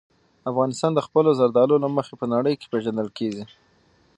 افغانستان د خپلو زردالو له مخې په نړۍ کې پېژندل کېږي.